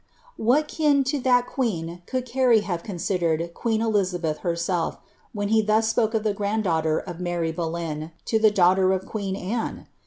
\V),,il kin lo iha! quefn ouU Cnrty hav .. con iJpr.d iju 'i Elizabeth herself, wlien he thus spoke of the grand da ugh ler of Mary Boleyn to the daughter of queen Anne